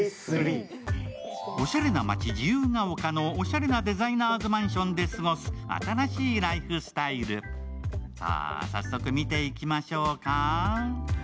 おしゃれな街、自由が丘のおしゃれなデザイナーズマンションで過ごす新しいライフスタイル、早速見ていきましょうか。